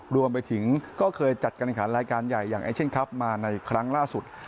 รวมไปถึงก็เคยจัดการขันรายการใหญ่อย่างเอเชียนคลับมาในครั้งล่าสุด